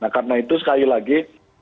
karena itu sekali lagi